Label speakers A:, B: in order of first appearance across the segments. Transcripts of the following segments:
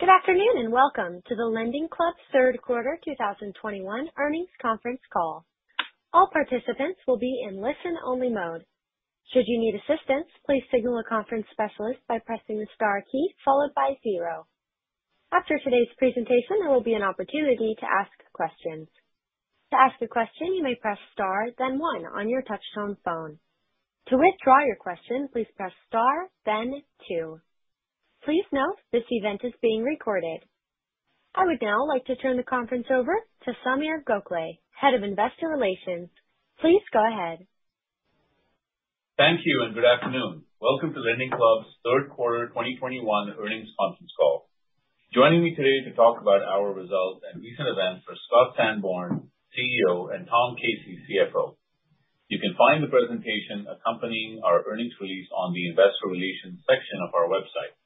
A: Good afternoon, and welcome to the LendingClub third quarter 2021 earnings conference call. All participants will be in listen only mode. Should you need assistance, please signal a conference specialist by pressing the star key followed by zero. After today's presentation, there will be an opportunity to ask questions. To ask a question, you may press star then one on your touchtone phone. To withdraw your question, please press star then two. Please note this event is being recorded. I would now like to turn the conference over to Sameer Gokhale, Head of Investor Relations. Please go ahead.
B: Thank you and good afternoon. Welcome to LendingClub's third quarter 2021 earnings conference call. Joining me today to talk about our results and recent events are Scott Sanborn, CEO, and Tom Casey, CFO. You can find the presentation accompanying our earnings release on the investor relations section of our website.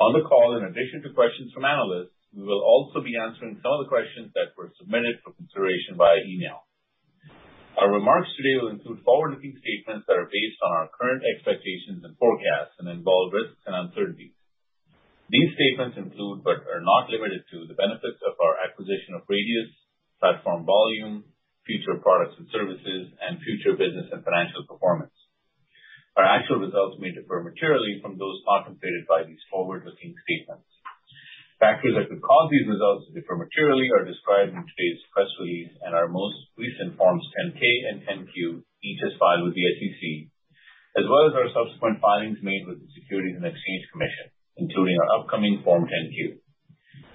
B: On the call, in addition to questions from analysts, we will also be answering some of the questions that were submitted for consideration via email. Our remarks today will include forward-looking statements that are based on our current expectations and forecasts and involve risks and uncertainties. These statements include, but are not limited to, the benefits of our acquisition of Radius, platform volume, future products and services, and future business and financial performance. Our actual results may differ materially from those contemplated by these forward-looking statements. Factors that could cause these results to differ materially are described in today's press release and our most recent Forms 10-K and 10-Q, each as filed with the SEC, as well as our subsequent filings made with the Securities and Exchange Commission, including our upcoming Form 10-Q.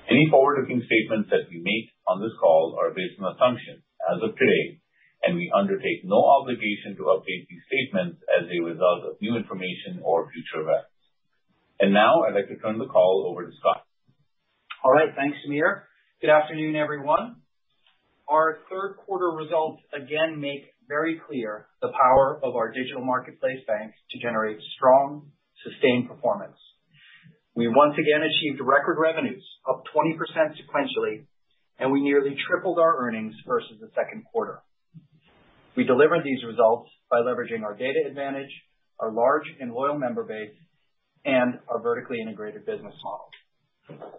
B: Any forward-looking statements that we make on this call are based on assumptions as of today, and we undertake no obligation to update these statements as a result of new information or future events. Now I'd like to turn the call over to Scott.
C: All right. Thanks, Sameer. Good afternoon, everyone. Our third quarter results again make very clear the power of our digital marketplace banks to generate strong, sustained performance. We once again achieved record revenues up 20% sequentially, and we nearly tripled our earnings versus the second quarter. We delivered these results by leveraging our data advantage, our large and loyal member base, and our vertically integrated business model.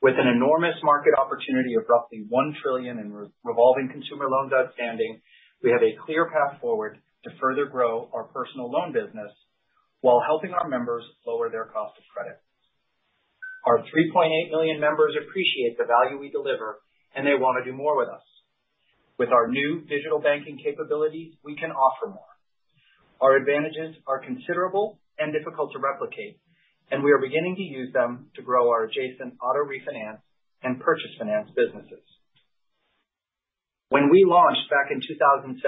C: With an enormous market opportunity of roughly $1 trillion in revolving consumer loans outstanding, we have a clear path forward to further grow our personal loan business while helping our members lower their cost of credit. Our 3.8 million members appreciate the value we deliver, and they wanna do more with us. With our new digital banking capabilities, we can offer more. Our advantages are considerable and difficult to replicate, and we are beginning to use them to grow our adjacent auto refinance and purchase finance businesses. When we launched back in 2007,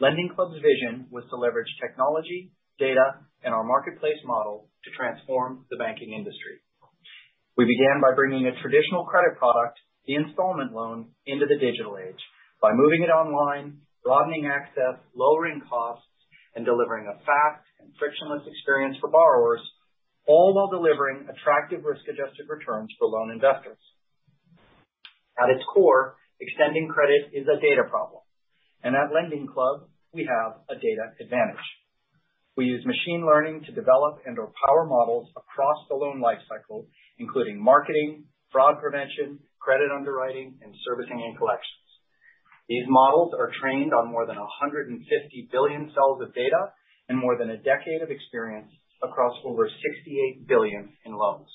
C: LendingClub's vision was to leverage technology, data, and our marketplace model to transform the banking industry. We began by bringing a traditional credit product, the installment loan, into the digital age by moving it online, broadening access, lowering costs, and delivering a fast and frictionless experience for borrowers, all while delivering attractive risk-adjusted returns for loan investors. At its core, extending credit is a data problem, and at LendingClub, we have a data advantage. We use machine learning to develop and/or power models across the loan lifecycle, including marketing, fraud prevention, credit underwriting, and servicing and collections. These models are trained on more than 150 billion cells of data and more than a decade of experience across over 68 billion in loans.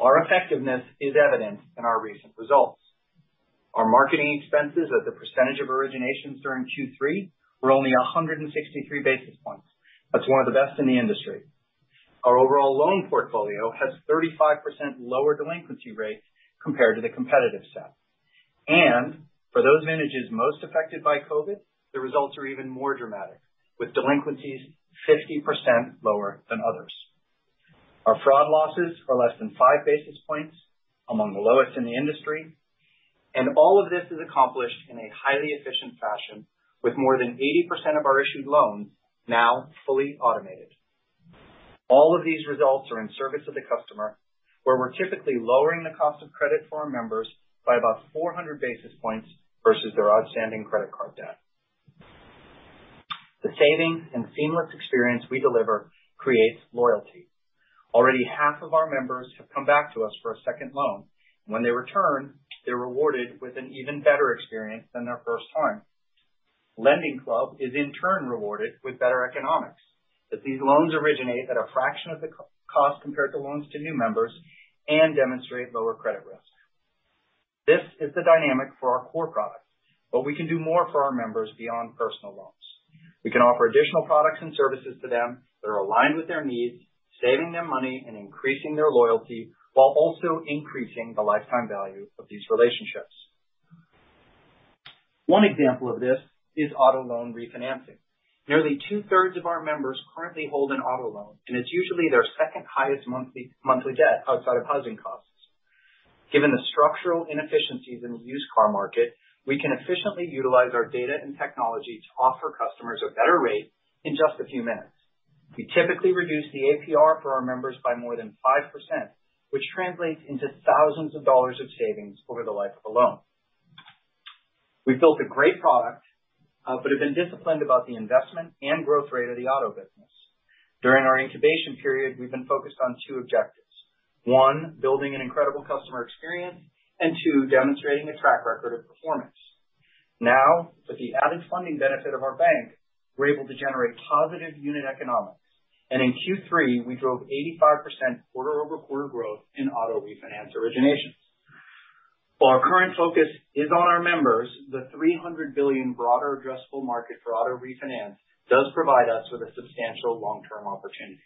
C: Our effectiveness is evident in our recent results. Our marketing expenses as a percentage of originations during Q3 were only 163 basis points. That's one of the best in the industry. Our overall loan portfolio has 35% lower delinquency rate compared to the competitive set. For those vintages most affected by COVID, the results are even more dramatic, with delinquencies 50% lower than others. Our fraud losses are less than 5 basis points, among the lowest in the industry. All of this is accomplished in a highly efficient fashion with more than 80% of our issued loans now fully automated. All of these results are in service of the customer, where we're typically lowering the cost of credit for our members by about 400 basis points versus their outstanding credit card debt. The savings and seamless experience we deliver creates loyalty. Already, half of our members have come back to us for a second loan. When they return, they're rewarded with an even better experience than their first time. LendingClub is in turn rewarded with better economics, that these loans originate at a fraction of the cost compared to loans to new members and demonstrate lower credit risk. This is the dynamic for our core products, but we can do more for our members beyond personal loans. We can offer additional products and services to them that are aligned with their needs, saving them money and increasing their loyalty while also increasing the lifetime value of these relationships. One example of this is auto loan refinancing. Nearly two-thirds of our members currently hold an auto loan, and it's usually their second highest monthly debt outside of housing costs. Given the structural inefficiencies in the used car market, we can efficiently utilize our data and technology to offer customers a better rate in just a few minutes. We typically reduce the APR for our members by more than 5%, which translates into thousands of dollars of savings over the life of the loan. We've built a great product, but have been disciplined about the investment and growth rate of the auto business. During our incubation period, we've been focused on two objectives. One, building an incredible customer experience, and two, demonstrating a track record of performance. Now, with the added funding benefit of our bank, we're able to generate positive unit economics. In Q3, we drove 85% quarter-over-quarter growth in auto refinance originations. While our current focus is on our members, the $300 billion broader addressable market for auto refinance does provide us with a substantial long-term opportunity.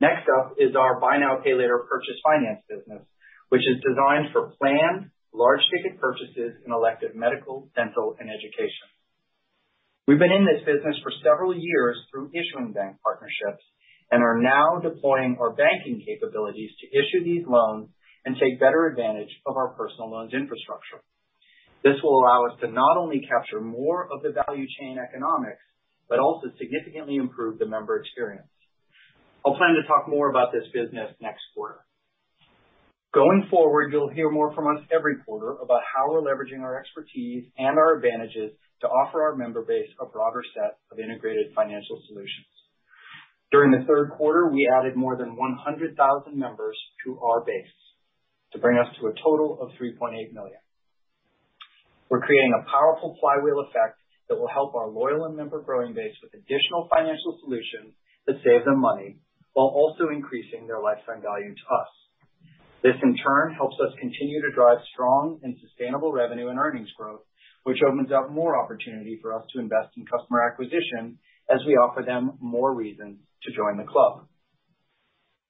C: Next up is our buy now, pay later purchase finance business, which is designed for planned large ticket purchases in elective medical, dental, and education. We've been in this business for several years through issuing bank partnerships and are now deploying our banking capabilities to issue these loans and take better advantage of our personal loans infrastructure. This will allow us to not only capture more of the value chain economics, but also significantly improve the member experience. I'll plan to talk more about this business next quarter. Going forward, you'll hear more from us every quarter about how we're leveraging our expertise and our advantages to offer our member base a broader set of integrated financial solutions. During the third quarter, we added more than 100,000 members to our base to bring us to a total of 3.8 million. We're creating a powerful flywheel effect that will help our loyal and member-growing base with additional financial solutions that save them money while also increasing their lifetime value to us. This, in turn, helps us continue to drive strong and sustainable revenue and earnings growth, which opens up more opportunity for us to invest in customer acquisition as we offer them more reasons to join the club.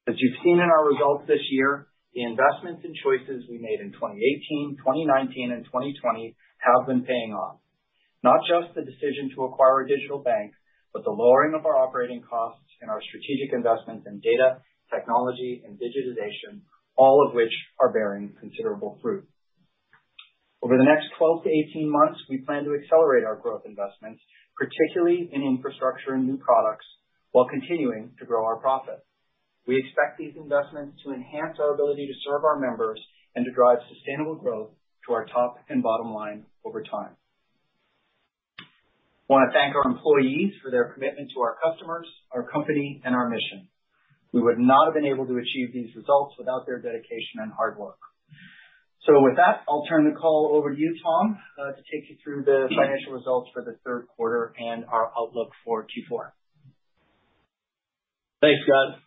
C: As you've seen in our results this year, the investments and choices we made in 2018, 2019, and 2020 have been paying off. Not just the decision to acquire a digital bank, but the lowering of our operating costs and our strategic investments in data, technology, and digitization, all of which are bearing considerable fruit. Over the next 12 to 18 months, we plan to accelerate our growth investments, particularly in infrastructure and new products, while continuing to grow our profit. We expect these investments to enhance our ability to serve our members and to drive sustainable growth to our top and bottom line over time. I want to thank our employees for their commitment to our customers, our company, and our mission. We would not have been able to achieve these results without their dedication and hard work. With that, I'll turn the call over to you, Tom, to take you through the financial results for the third quarter and our outlook for Q4.
D: Thanks, Scott.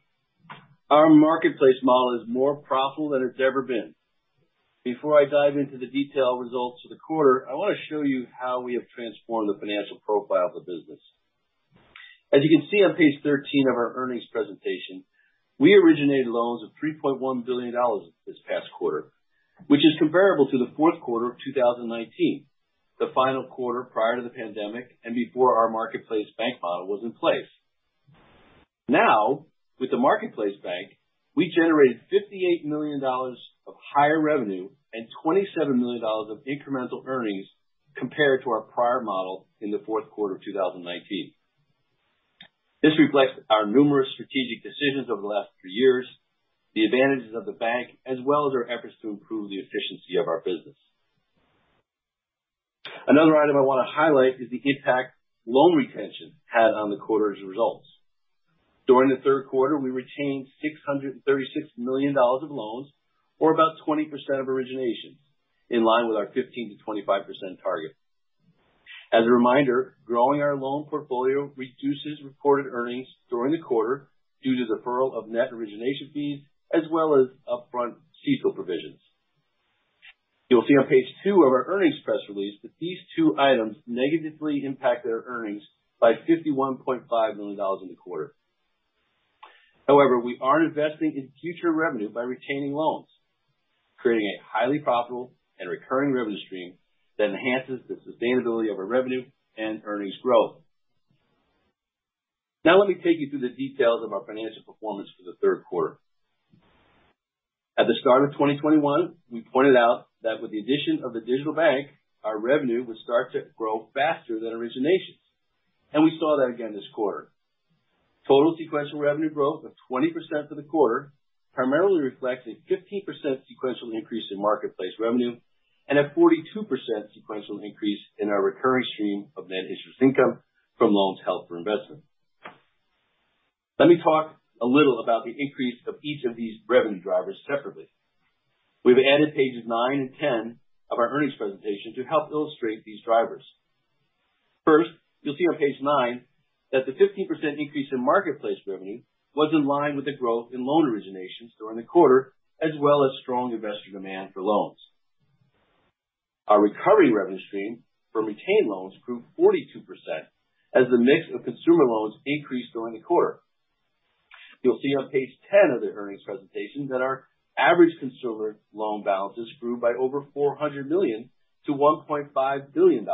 D: Our marketplace model is more profitable than it's ever been. Before I dive into the detailed results for the quarter, I want to show you how we have transformed the financial profile of the business. As you can see on page 13 of our earnings presentation, we originated loans of $3.1 billion this past quarter, which is comparable to the fourth quarter of 2019, the final quarter prior to the pandemic and before our marketplace bank model was in place. Now, with the marketplace bank, we generate $58 million of higher revenue and $27 million of incremental earnings compared to our prior model in the fourth quarter of 2019. This reflects our numerous strategic decisions over the last three years, the advantages of the bank, as well as our efforts to improve the efficiency of our business. Another item I want to highlight is the impact loan retention had on the quarter's results. During the third quarter, we retained $636 million of loans, or about 20% of originations, in line with our 15%-25% target. As a reminder, growing our loan portfolio reduces reported earnings during the quarter due to deferral of net origination fees as well as upfront CECL provisions. You'll see on page 2 of our earnings press release that these two items negatively impacted our earnings by $51.5 million in the quarter. However, we are investing in future revenue by retaining loans, creating a highly profitable and recurring revenue stream that enhances the sustainability of our revenue and earnings growth. Now let me take you through the details of our financial performance for the third quarter. At the start of 2021, we pointed out that with the addition of the digital bank, our revenue would start to grow faster than originations, and we saw that again this quarter. Total sequential revenue growth of 20% for the quarter primarily reflects a 15% sequential increase in marketplace revenue and a 42% sequential increase in our recurring stream of net interest income from loans held for investment. Let me talk a little about the increase of each of these revenue drivers separately. We've added pages 9 and 10 of our earnings presentation to help illustrate these drivers. First, you'll see on page 9 that the 15% increase in marketplace revenue was in line with the growth in loan originations during the quarter, as well as strong investor demand for loans. Our recovery revenue stream from retained loans grew 42% as the mix of consumer loans increased during the quarter. You'll see on page 10 of the earnings presentation that our average consumer loan balances grew by over $400 million-$1.5 billion.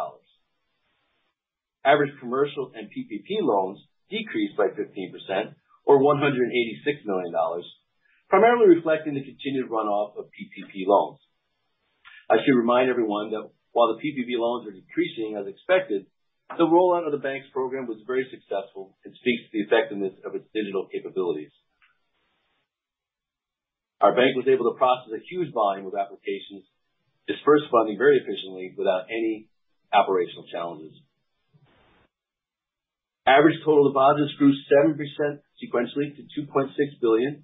D: Average commercial and PPP loans decreased by 15% or $186 million, primarily reflecting the continued runoff of PPP loans. I should remind everyone that while the PPP loans are decreasing as expected, the rollout of the bank's program was very successful and speaks to the effectiveness of its digital capabilities. Our bank was able to process a huge volume of applications, disperse funding very efficiently without any operational challenges. Average total deposits grew 7% sequentially to $2.6 billion,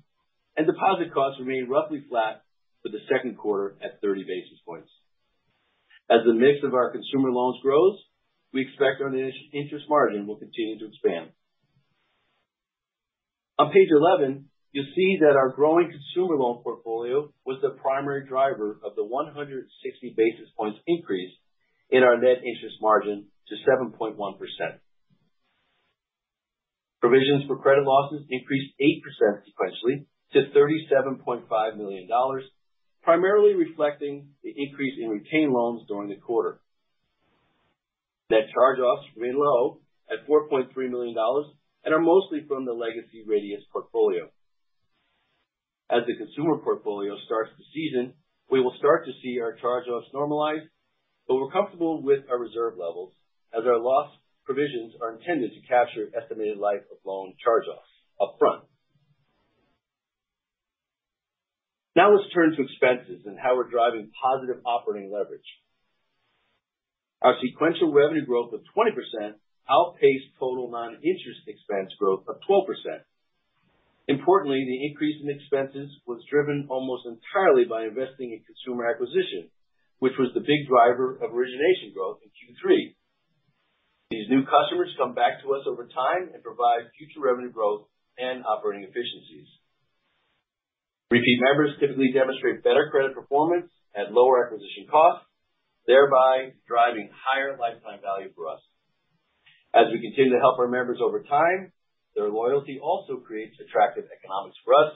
D: and deposit costs remained roughly flat for the second quarter at 30 basis points. As the mix of our consumer loans grows, we expect our net interest margin will continue to expand. On page 11, you'll see that our growing consumer loan portfolio was the primary driver of the 160 basis points increase in our net interest margin to 7.1%. Provisions for credit losses increased 8% sequentially to $37.5 million, primarily reflecting the increase in retained loans during the quarter. Net charge-offs remain low at $4.3 million and are mostly from the legacy Radius portfolio. As the consumer portfolio starts to season, we will start to see our charge-offs normalize, but we're comfortable with our reserve levels as our loss provisions are intended to capture estimated life of loan charge-offs upfront. Now, let's turn to expenses and how we're driving positive operating leverage. Our sequential revenue growth of 20% outpaced total non-interest expense growth of 12%. Importantly, the increase in expenses was driven almost entirely by investing in consumer acquisition, which was the big driver of origination growth in Q3. These new customers come back to us over time and provide future revenue growth and operating efficiencies. Repeat members typically demonstrate better credit performance at lower acquisition costs, thereby driving higher lifetime value for us. As we continue to help our members over time, their loyalty also creates attractive economics for us,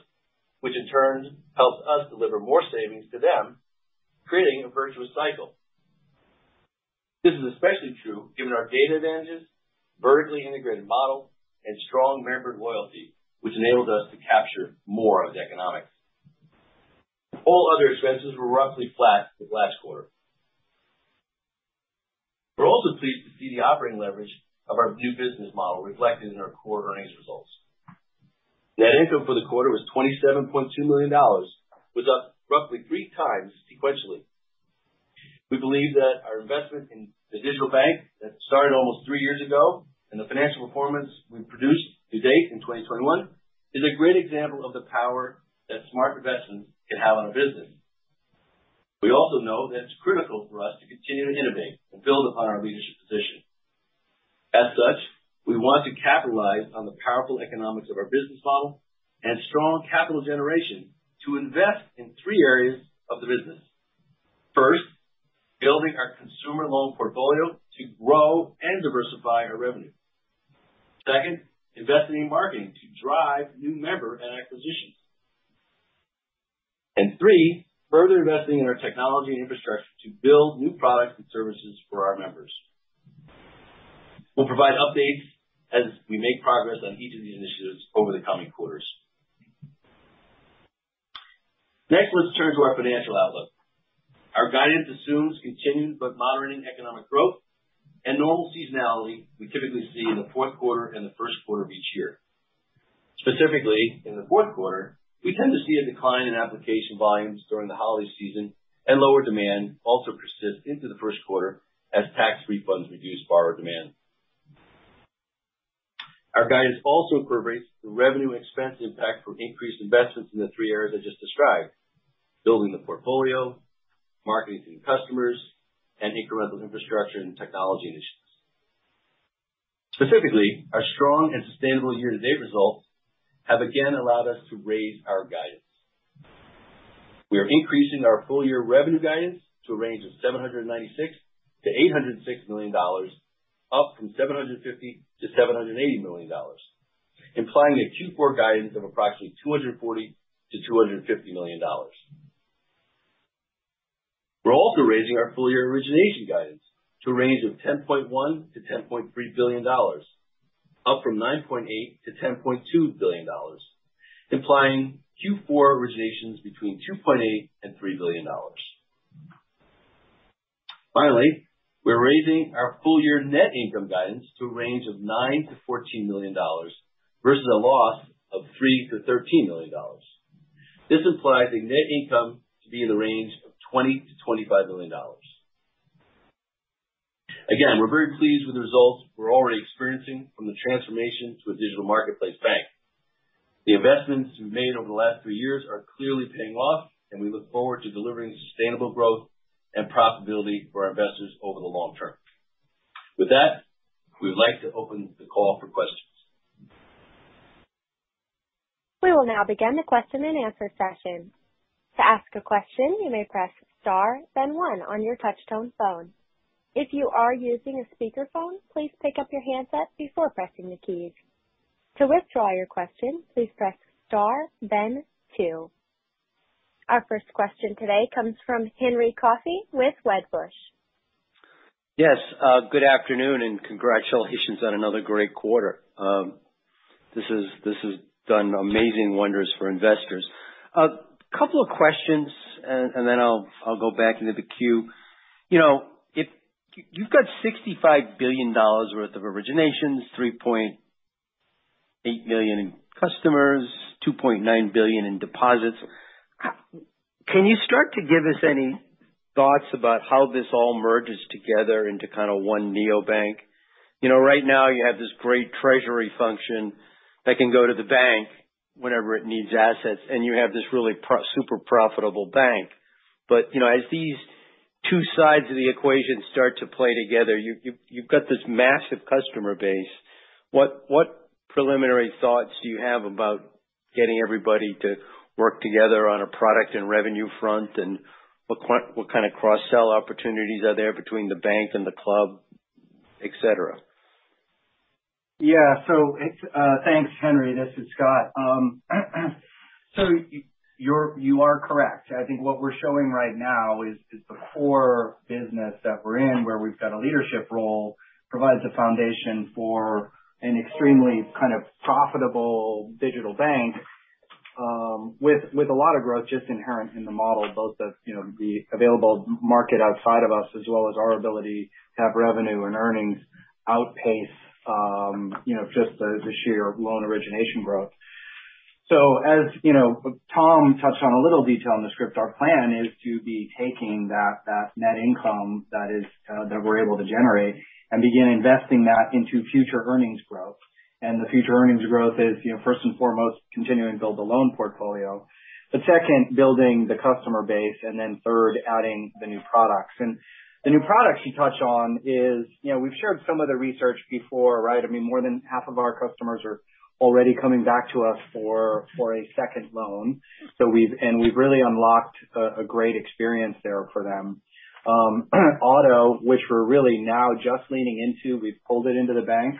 D: which in turn helps us deliver more savings to them, creating a virtuous cycle. This is especially true given our data advantages, vertically integrated model, and strong member loyalty, which enables us to capture more of the economics. All other expenses were roughly flat to last quarter. We're also pleased to see the operating leverage of our new business model reflected in our quarter earnings results. Net income for the quarter was $27.2 million, up roughly three times sequentially. We believe that our investment in the digital bank that started almost three years ago and the financial performance we've produced to date in 2021 is a great example of the power that smart investments can have on a business. We also know that it's critical for us to continue to innovate and build upon our leadership position. As such, we want to capitalize on the powerful economics of our business model and strong capital generation to invest in three areas of the business. First, building our consumer loan portfolio to grow and diversify our revenue. Second, investing in marketing to drive new member acquisitions. Three, further investing in our technology and infrastructure to build new products and services for our members. We'll provide updates as we make progress on each of these initiatives over the coming quarters. Next, let's turn to our financial outlook. Our guidance assumes continued but moderating economic growth and normal seasonality we typically see in the fourth quarter and the first quarter of each year. Specifically, in the fourth quarter, we tend to see a decline in application volumes during the holiday season, and lower demand also persists into the first quarter as tax refunds reduce borrower demand. Our guidance also incorporates the revenue expense impact from increased investments in the three areas I just described, building the portfolio, marketing to new customers, and incremental infrastructure and technology initiatives. Specifically, our strong and sustainable year-to-date results have again allowed us to raise our guidance. We are increasing our full-year revenue guidance to a range of $796 million-$806 million, up from $750 million-$780 million, implying a Q4 guidance of approximately $240 million-$250 million. We're also raising our full-year origination guidance to a range of $10.1 billion-$10.3 billion, up from $9.8 billion-$10.2 billion, implying Q4 originations between $2.8 billion and $3 billion. Finally, we're raising our full-year net income guidance to a range of $9 million-$14 million versus a loss of $3 million-$13 million. This implies a net income to be in the range of $20 million-$25 million. Again, we're very pleased with the results we're already experiencing from the transformation to a digital marketplace bank. The investments we've made over the last three years are clearly paying off, and we look forward to delivering sustainable growth and profitability for our investors over the long term. With that, we'd like to open the call for questions.
A: We will now begin the question-and-answer session. To ask a question, you may press star then one on your touchtone phone. If you are using a speakerphone, please pick up your handset before pressing the keys. To withdraw your question, please press star then two. Our first question today comes from Henry Coffey with Wedbush.
E: Yes. Good afternoon and congratulations on another great quarter. This is, this has done amazing wonders for investors. A couple of questions and then I'll go back into the queue. You know, if you've got $65 billion worth of originations, 3.8 million in customers, $2.9 billion in deposits. How can you start to give us any thoughts about how this all merges together into kind of one neobank? You know, right now you have this great treasury function that can go to the bank whenever it needs assets, and you have this really super profitable bank. But, you know, as these two sides of the equation start to play together, you've got this massive customer base. What preliminary thoughts do you have about getting everybody to work together on a product and revenue front? What kind of cross-sell opportunities are there between the bank and the club, et cetera?
C: Yeah. Thanks, Henry. This is Scott. You're correct. I think what we're showing right now is the core business that we're in, where we've got a leadership role, provides a foundation for an extremely kind of profitable digital bank, with a lot of growth just inherent in the model, both of, you know, the available market outside of us, as well as our ability to have revenue and earnings outpace, you know, just the sheer loan origination growth. As you know, Tom touched on a little detail in the script. Our plan is to be taking that net income that we're able to generate and begin investing that into future earnings growth. The future earnings growth is, you know, first and foremost continuing to build the loan portfolio. Second, building the customer base, and then third, adding the new products. The new products you touch on is, you know, we've shared some of the research before, right? I mean, more than half of our customers are already coming back to us for a second loan. So and we've really unlocked a great experience there for them. Auto, which we're really now just leaning into, we've pulled it into the bank.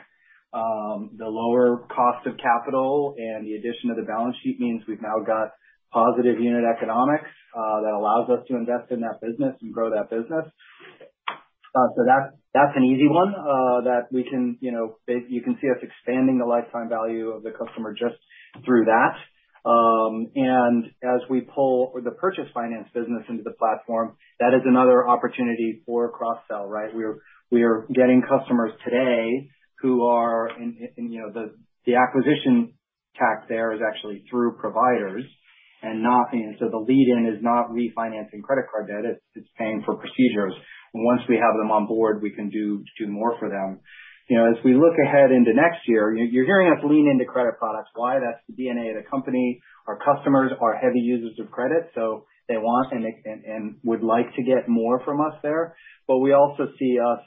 C: The lower cost of capital and the addition to the balance sheet means we've now got positive unit economics that allows us to invest in that business and grow that business. So that's an easy one that we can, you know, you can see us expanding the lifetime value of the customer just through that. As we pull the purchase finance business into the platform, that is another opportunity for cross-sell, right? We are getting customers today who are in you know the acquisition tactic there is actually through providers and so the lead in is not refinancing credit card debt, it's paying for procedures. Once we have them on board, we can do more for them. You know, as we look ahead into next year, you're hearing us lean into credit products. Why? That's the DNA of the company. Our customers are heavy users of credit, so they want and they would like to get more from us there. But we also see us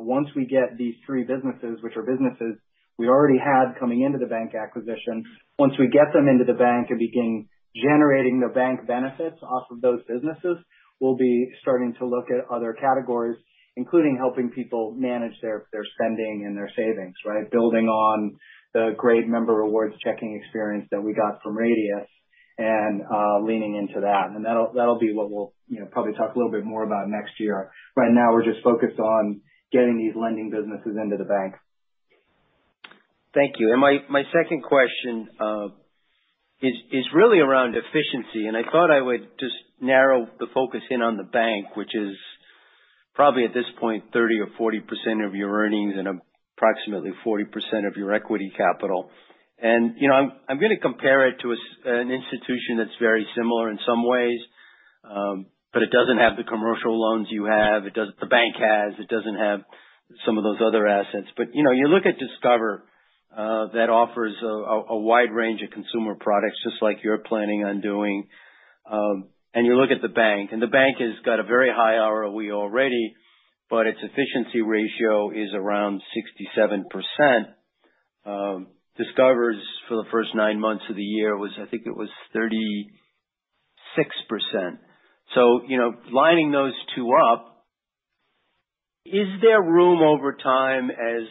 C: once we get these three businesses, which are businesses we already had coming into the bank acquisition. Once we get them into the bank and begin generating the bank benefits off of those businesses, we'll be starting to look at other categories, including helping people manage their spending and their savings, right? Building on the great Member Rewards Checking experience that we got from Radius and leaning into that. That'll be what we'll, you know, probably talk a little bit more about next year. Right now we're just focused on getting these lending businesses into the bank.
E: Thank you. My second question is really around efficiency. I thought I would just narrow the focus in on the bank, which is probably at this point, 30% or 40% of your earnings and approximately 40% of your equity capital. You know, I'm gonna compare it to an institution that's very similar in some ways, but it doesn't have the commercial loans you have. The bank has. It doesn't have some of those other assets. You know, you look at Discover that offers a wide range of consumer products just like you're planning on doing. You look at the bank, and the bank has got a very high ROE already, but its efficiency ratio is around 67%. Discover's for the first nine months of the year was, I think it was 36%. You know, lining those two up, is there room over time as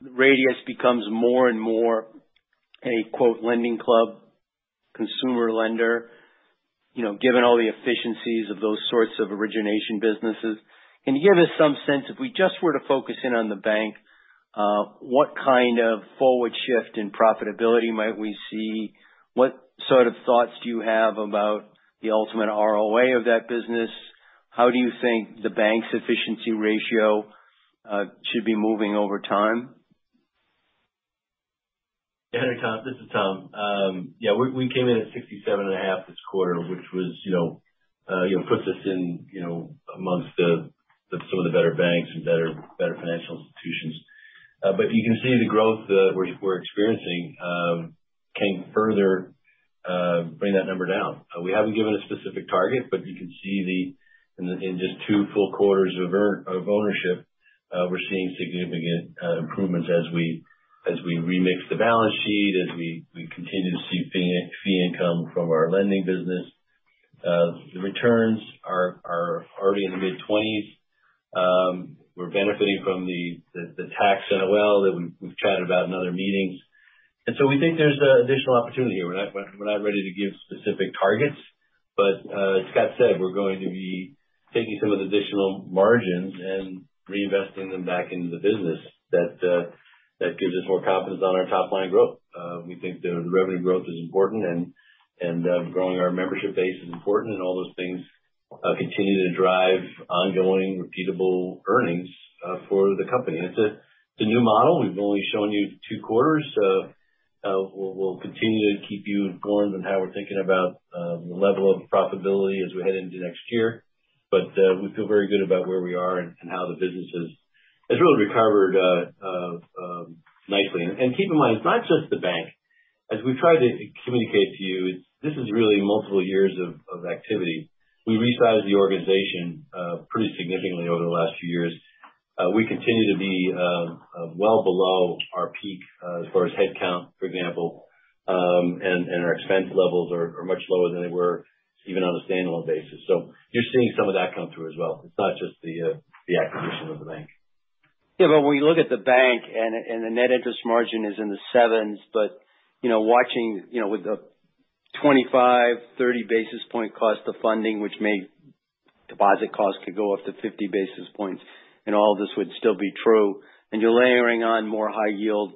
E: Radius becomes more and more a, quote, LendingClub consumer lender, you know, given all the efficiencies of those sorts of origination businesses? Can you give us some sense, if we just were to focus in on the bank, what kind of forward shift in profitability might we see? What sort of thoughts do you have about the ultimate ROA of that business? How do you think the bank's efficiency ratio should be moving over time?
D: Yeah, Henry, Tom. This is Tom. Yeah, we came in at 67.5 this quarter, which was, you know, puts us in, you know, amongst some of the better banks and better financial institutions. But you can see the growth we're experiencing can further bring that number down. We haven't given a specific target, but you can see in just 2 full quarters of ownership, we're seeing significant improvements as we remix the balance sheet, as we continue to see fee income from our lending business. The returns are already in the mid-20s. We're benefiting from the tax NOL that we've chatted about in other meetings. We think there's additional opportunity here. We're not ready to give specific targets but, as Scott said, we're going to be taking some of the additional margins and reinvesting them back into the business that gives us more confidence on our top line growth. We think the revenue growth is important and growing our membership base is important and all those things continue to drive ongoing repeatable earnings for the company. It's a new model. We've only shown you two quarters. We'll continue to keep you going on how we're thinking about the level of profitability as we head into next year. But we feel very good about where we are and how the business has really recovered nicely. Keep in mind, it's not just the bank. As we've tried to communicate to you, this is really multiple years of activity. We resized the organization pretty significantly over the last few years. We continue to be well below our peak as far as headcount, for example. Our expense levels are much lower than they were even on a standalone basis. You're seeing some of that come through as well. It's not just the acquisition of the bank.
E: When we look at the bank and the net interest margin is in the 7s, but you know with the 25-30 basis point cost of funding, deposit costs could go up to 50 basis points, and all this would still be true. You're layering on more high yield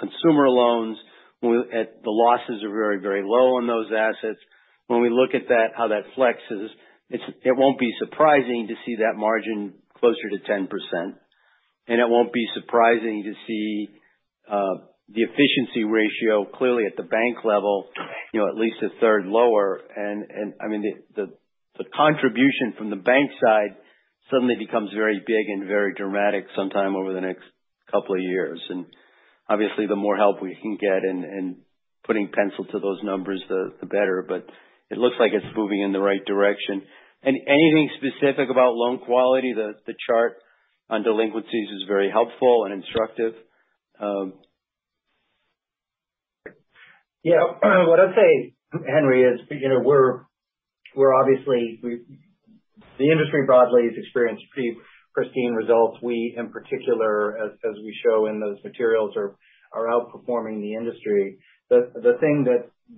E: consumer loans when at the losses are very low on those assets. When we look at that, how that flexes, it won't be surprising to see that margin closer to 10%. It won't be surprising to see the efficiency ratio clearly at the bank level, you know, at least a third lower. I mean, the contribution from the bank side suddenly becomes very big and very dramatic sometime over the next couple of years. Obviously, the more help we can get in putting pencil to those numbers, the better. It looks like it's moving in the right direction. Anything specific about loan quality? The chart on delinquencies is very helpful and instructive.
D: Yeah. What I'd say, Henry, is, you know, we're obviously the industry broadly has experienced pretty pristine results. We, in particular, as we show in those materials, are outperforming the industry. The thing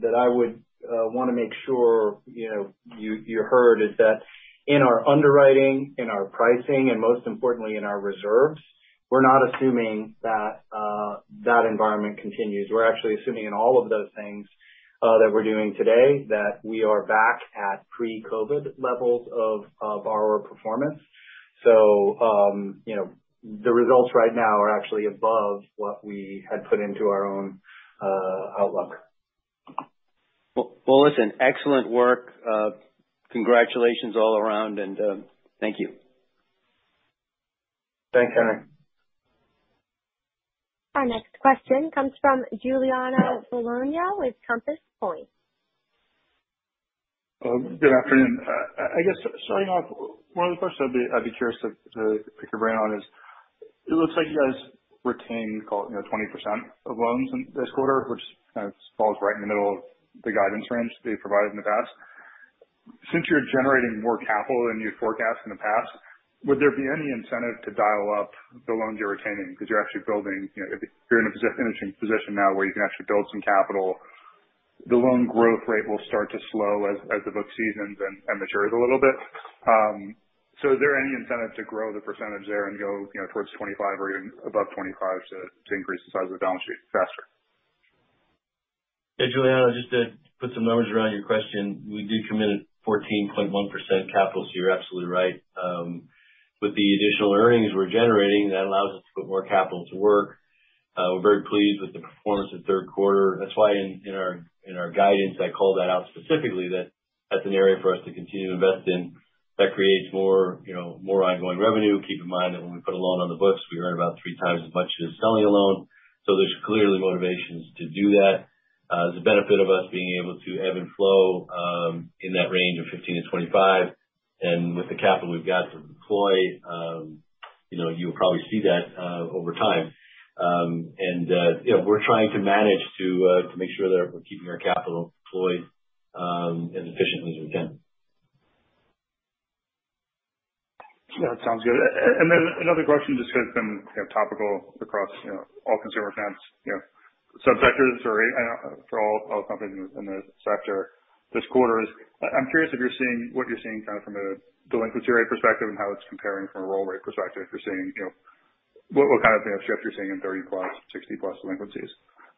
D: that I would want to make sure, you know, you heard is that in our underwriting, in our pricing, and most importantly in our reserves, we're not assuming that environment continues. We're actually assuming in all of those things that we're doing today, that we are back at pre-COVID levels of our performance. You know, the results right now are actually above what we had put into our own outlook.
E: Well, well, listen, excellent work. Congratulations all around. Thank you.
D: Thanks, Henry.
A: Our next question comes from Giuliano Bologna with Compass Point.
F: Good afternoon. I guess starting off, one of the questions I'd be curious to pick your brain on is, it looks like you guys retained call it, you know, 20% of loans in this quarter, which kind of falls right in the middle of the guidance range that you provided in the past. Since you're generating more capital than you'd forecast in the past, would there be any incentive to dial up the loans you're retaining because you're actually building, you know, you're in a interesting position now where you can actually build some capital. The loan growth rate will start to slow as the book seasons and matures a little bit. Is there any incentive to grow the percentage there and go, you know, towards 25 or even above 25 to increase the size of the balance sheet faster?
D: Hey, Giuliano, just to put some numbers around your question, we do commit 14.1% capital, so you're absolutely right. With the additional earnings we're generating, that allows us to put more capital to work. We're very pleased with the performance of the third quarter. That's why in our guidance, I called that out specifically that that's an area for us to continue to invest in that creates more, you know, more ongoing revenue. Keep in mind that when we put a loan on the books, we earn about three times as much as selling a loan. So there's clearly motivations to do that. The benefit of us being able to ebb and flow in that range of 15-25, and with the capital we've got to deploy, you know, you'll probably see that over time. We're trying to manage to make sure that we're keeping our capital deployed as efficiently as we can.
F: Yeah, that sounds good. Then another question just because it's been, you know, topical across, you know, all consumer banks, you know, subsectors or for all companies in the sector this quarter is I'm curious if you're seeing what you're seeing kind of from a delinquency rate perspective and how it's comparing from a roll rate perspective. If you're seeing, you know, what kind of mix shift you're seeing in 30-plus, 60-plus delinquencies.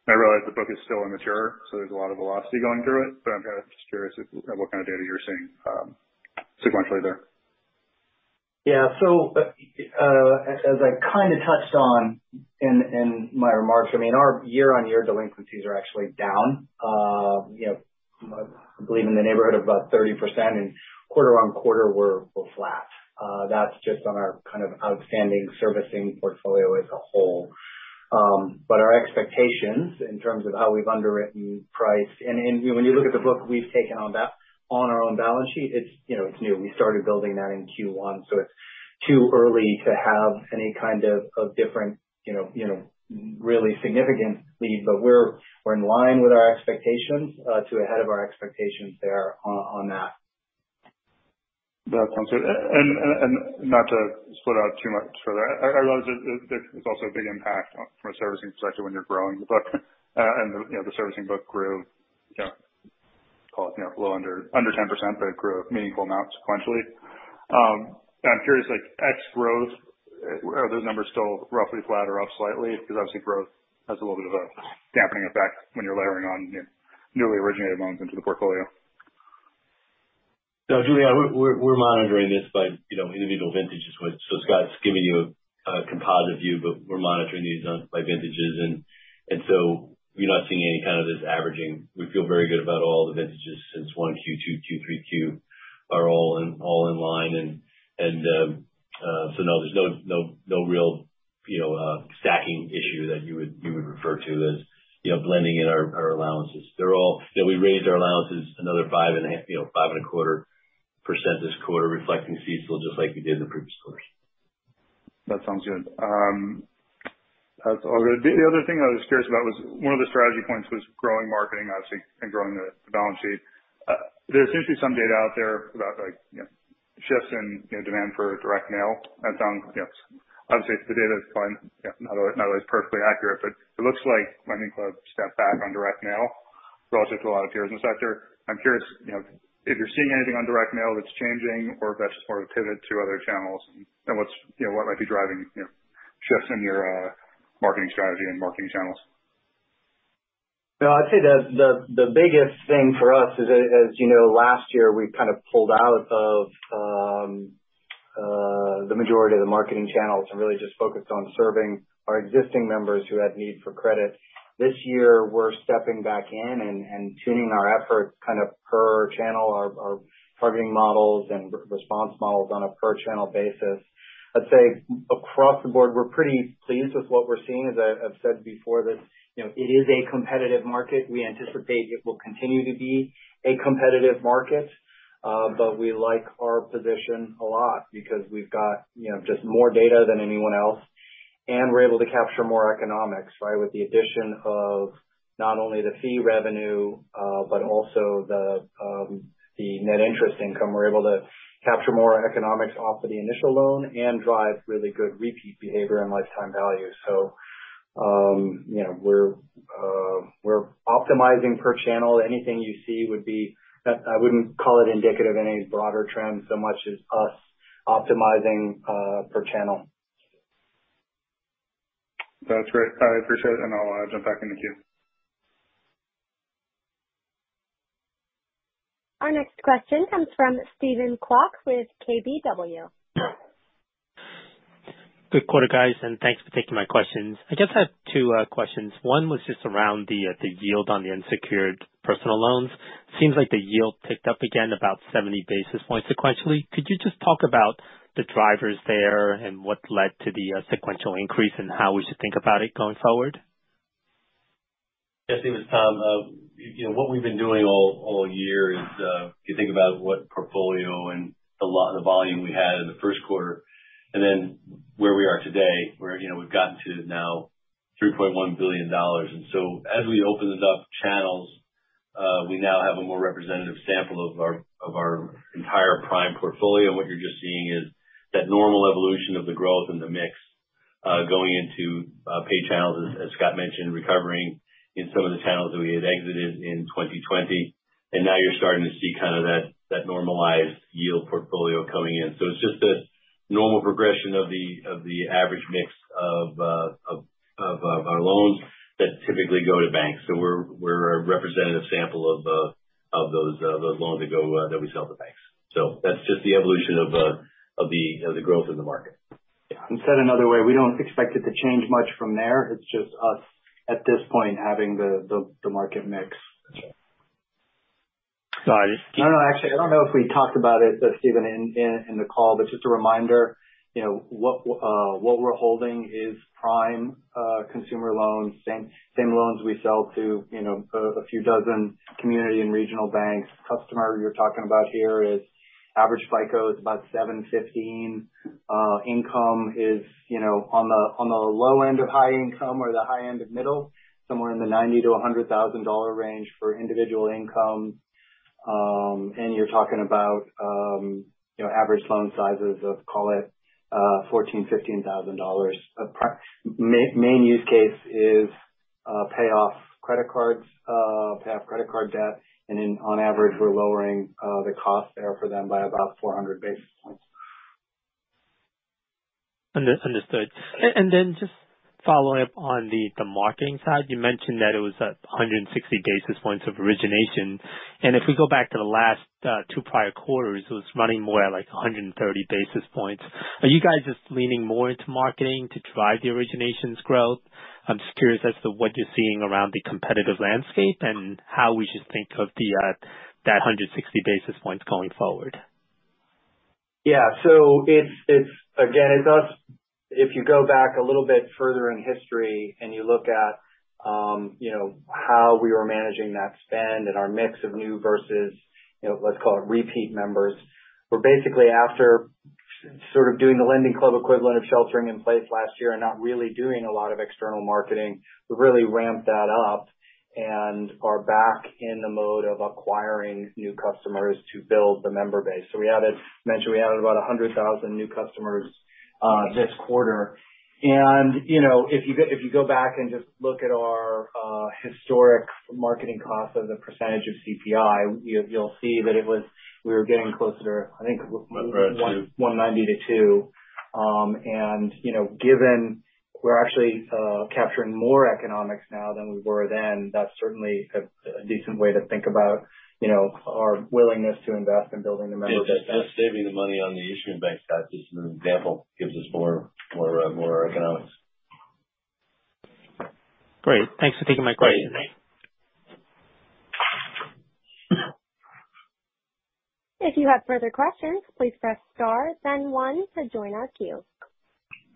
F: I realize the book is still immature, so there's a lot of velocity going through it, but I'm kind of just curious if what kind of data you're seeing sequentially there.
C: Yeah. As I kind of touched on in my remarks, I mean, our year-on-year delinquencies are actually down, you know, I believe in the neighborhood of about 30%, and quarter-on-quarter we're flat. That's just on our kind of outstanding servicing portfolio as a whole. Our expectations in terms of how we've underwritten, priced, and when you look at the book we've taken on our own balance sheet, it's, you know, it's new. We started building that in Q1, so it's too early to have any kind of different, you know, really significant read. We're in line with our expectations or ahead of our expectations there on that.
F: That sounds good. Not to split out too much further, I realize there's also a big impact from a servicing perspective when you're growing the book. The servicing book grew, you know, call it, you know, below under 10%, but it grew a meaningful amount sequentially. I'm curious, like ex-growth, are those numbers still roughly flat or up slightly? Because obviously growth has a little bit of a dampening effect when you're layering on newly originated loans into the portfolio.
D: No, Giuliano, we're monitoring this by, you know, individual vintages. Scott's giving you a composite view, but we're monitoring these by vintages and we're not seeing any kind of averaging. We feel very good about all the vintages since Q1, Q2, Q3, Q4 are all in line. No, there's no real stacking issue that you would refer to as, you know, blending in our allowances. You know, we raised our allowances another 5.25% this quarter reflecting CECL just like we did in the previous quarters.
F: That sounds good. That's all good. The other thing I was curious about was one of the strategy points was growing marketing, obviously, and growing the balance sheet. There seems to be some data out there about like, you know, shifts in, you know, demand for direct mail that don't, you know. Obviously, the data is fuzzy. Yeah, not always perfectly accurate, but it looks like LendingClub stepped back on direct mail relative to a lot of peers in the sector. I'm curious, you know, if you're seeing anything on direct mail that's changing or if that's just more of a pivot to other channels and what's, you know, what might be driving, you know, shifts in your marketing strategy and marketing channels.
C: No, I'd say the biggest thing for us is, as you know, last year we kind of pulled out of the majority of the marketing channels and really just focused on serving our existing members who had need for credit. This year, we're stepping back in and tuning our efforts kind of per channel, our targeting models and response models on a per channel basis. I'd say across the board, we're pretty pleased with what we're seeing. As I have said before this, you know, it is a competitive market. We anticipate it will continue to be a competitive market, but we like our position a lot because we've got, you know, just more data than anyone else, and we're able to capture more economics, right? With the addition of not only the fee revenue, but also the net interest income. We're able to capture more economics off of the initial loan and drive really good repeat behavior and lifetime value. You know, we're optimizing per channel. Anything you see, I wouldn't call it indicative of any broader trends so much as us optimizing per channel.
F: That's great. I appreciate it, and I'll jump back in the queue.
A: Our next question comes from Steven Kwok with KBW.
G: Good quarter, guys, and thanks for taking my questions. I just have two questions. One was just around the yield on the unsecured personal loans. Seems like the yield ticked up again about 70 basis points sequentially. Could you just talk about the drivers there and what led to the sequential increase and how we should think about it going forward?
D: Yes. This was Tom. You know what we've been doing all year is, if you think about our portfolio and the volume we had in the first quarter and then where we are today, where we've gotten to now $3.1 billion. As we opened up channels, we now have a more representative sample of our entire prime portfolio. What you're just seeing is that normal evolution of the growth in the mix, going into paid channels, as Scott mentioned, recovering in some of the channels that we had exited in 2020. Now you're starting to see kind of that normalized yield portfolio coming in. It's just a normal progression of the average mix of our loans that typically go to banks. We're a representative sample of those loans that we sell to banks. That's just the evolution of the growth in the market.
C: Yeah. Said another way, we don't expect it to change much from there. It's just us at this point having the market mix.
G: Sorry.
C: No. Actually, I don't know if we talked about it, Steven, in the call, but just a reminder, you know, what we're holding is prime consumer loans, same loans we sell to, you know, a few dozen community and regional banks. Customer you're talking about here is average FICO is about 715. Income is, you know, on the low end of high income or the high end of middle, somewhere in the $90,000-$100,000 range for individual income. And you're talking about, you know, average loan sizes of, call it, $14,000-$15,000. Main use case is pay off credit cards, pay off credit card debt, and then on average, we're lowering the cost there for them by about 400 basis points.
G: Understood. Just following up on the marketing side, you mentioned that it was at 160 basis points of origination, and if we go back to the last two prior quarters, it was running more at like 130 basis points. Are you guys just leaning more into marketing to drive the originations growth? I'm just curious as to what you're seeing around the competitive landscape and how we should think of that 160 basis points going forward.
C: Yeah. It's us again. If you go back a little bit further in history and you look at, you know, how we were managing that spend and our mix of new versus, you know, let's call it repeat members. We're basically after sort of doing the LendingClub equivalent of sheltering in place last year and not really doing a lot of external marketing, we've really ramped that up and are back in the mode of acquiring new customers to build the member base. We mentioned we added about 100,000 new customers this quarter. You know, if you go back and just look at our historical marketing cost as a percentage of CPL, you'll see that we were getting closer to, I think, one-
D: 1.90-2.
C: 1.90-2. You know, given we're actually capturing more economics now than we were then, that's certainly a decent way to think about, you know, our willingness to invest in building the membership.
D: Yeah. Just saving the money on the issuing bank status, as an example, gives us more economics.
G: Great. Thanks for taking my question.
C: Yeah. Thanks.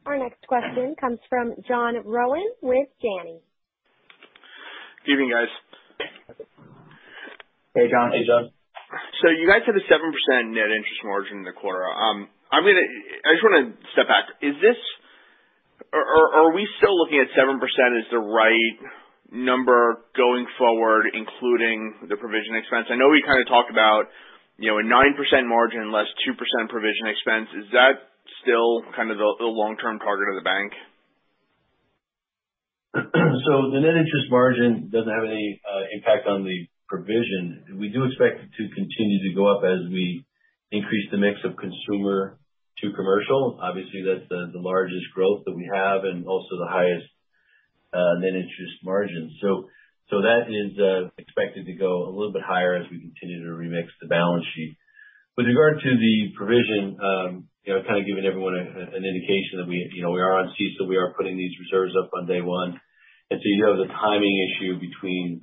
A: Our next question comes from John Rowan with Janney.
H: Evening, guys.
C: Hey, John.
D: Hey, John.
H: You guys had a 7% net interest margin in the quarter. I just wanna step back. Are we still looking at 7% as the right number going forward, including the provision expense? I know we kind of talked about, you know, a 9% margin, less 2% provision expense. Is that still kind of the long-term target of the bank?
D: The net interest margin doesn't have any impact on the provision. We do expect it to continue to go up as we increase the mix of consumer to commercial. Obviously, that's the largest growth that we have and also the highest net interest margin. That is expected to go a little bit higher as we continue to remix the balance sheet. With regard to the provision, you know, kind of giving everyone an indication that we, you know, we are in seasoning, we are putting these reserves up on day one. You have the timing issue between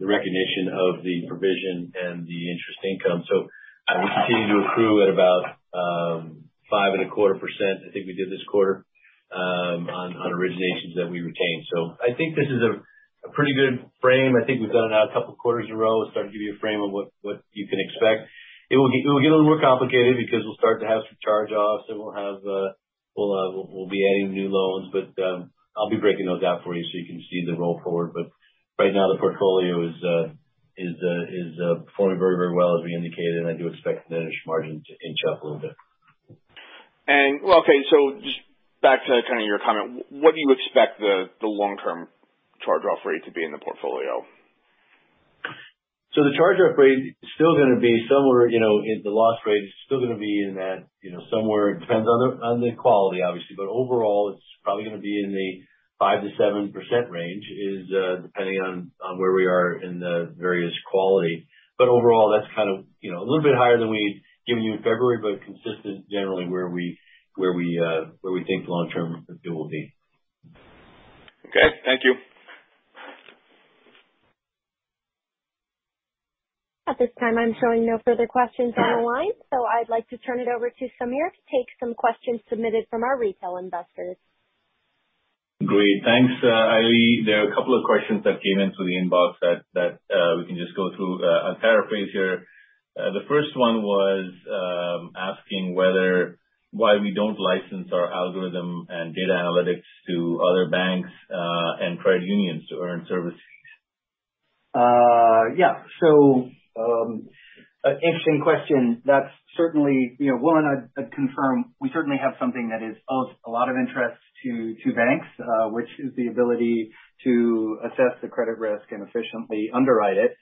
D: the recognition of the provision and the interest income. We continue to accrue at about 5.25%, I think we did this quarter, on originations that we retained. I think this is a pretty good frame. I think we've done it now a couple of quarters in a row. We'll start to give you a frame of what you can expect. It will get a little more complicated because we'll start to have some charge-offs and we'll be adding new loans. I'll be breaking those out for you so you can see the roll forward. Right now the portfolio is performing very, very well as we indicated, and I do expect the net interest margin to inch up a little bit.
H: Well, okay. Just back to kind of your comment, what do you expect the long-term charge-off rate to be in the portfolio?
D: The charge-off rate is still gonna be somewhere, you know, the loss rate is still gonna be in that, you know, somewhere. It depends on the quality obviously, but overall it's probably gonna be in the 5%-7% range, depending on where we are in the various quality. Overall, that's kind of, you know, a little bit higher than we'd given you in February, but consistent generally where we think long term it will be.
H: Okay, thank you.
A: At this time, I'm showing no further questions on the line, so I'd like to turn it over to Sameer to take some questions submitted from our retail investors.
B: Great. Thanks, Allison. There are a couple of questions that came into the inbox that we can just go through. I'll paraphrase here. The first one was asking why we don't license our algorithm and data analytics to other banks and credit unions to earn service fees.
C: Yeah. An interesting question. That's certainly, you know, one I'd confirm. We certainly have something that is of a lot of interest to banks, which is the ability to assess the credit risk and efficiently underwrite it.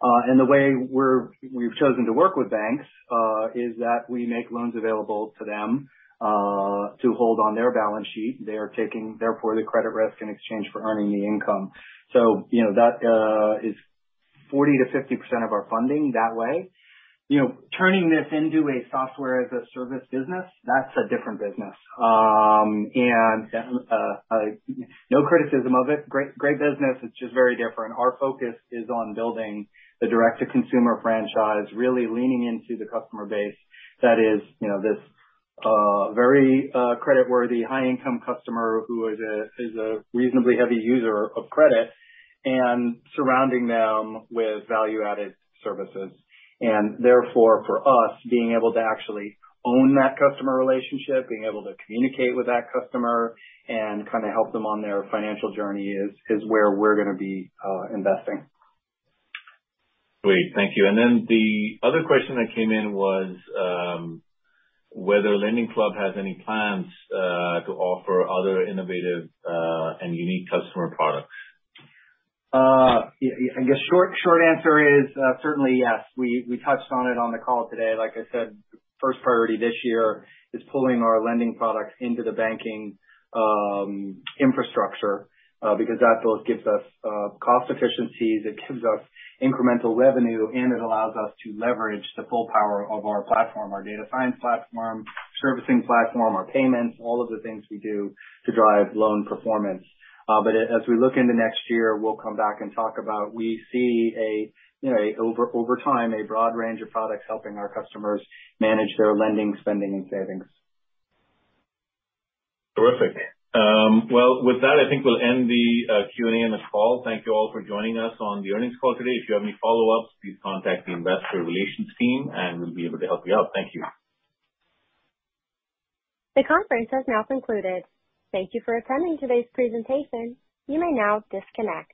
C: The way we've chosen to work with banks is that we make loans available to them to hold on their balance sheet. They are taking therefore the credit risk in exchange for earning the income. You know, that is 40%-50% of our funding that way. You know, turning this into a software as a service business, that's a different business. No criticism of it, great business. It's just very different. Our focus is on building the direct to consumer franchise, really leaning into the customer base that is, you know, this very credit worthy high income customer who is a reasonably heavy user of credit and surrounding them with value-added services. For us, being able to actually own that customer relationship, being able to communicate with that customer and kind of help them on their financial journey is where we're gonna be investing.
B: Great. Thank you. The other question that came in was whether LendingClub has any plans to offer other innovative and unique customer products.
C: I guess short answer is certainly yes. We touched on it on the call today. Like I said, first priority this year is pulling our lending products into the banking infrastructure because that both gives us cost efficiencies, it gives us incremental revenue, and it allows us to leverage the full power of our platform, our data science platform, servicing platform, our payments, all of the things we do to drive loan performance. As we look into next year, we'll come back and talk about. We see, you know, over time, a broad range of products helping our customers manage their lending, spending, and savings.
B: Terrific. Well, with that, I think we'll end the Q&A and this call. Thank you all for joining us on the earnings call today. If you have any follow-ups, please contact the investor relations team and we'll be able to help you out. Thank you.
A: The conference has now concluded. Thank you for attending today's presentation. You may now disconnect.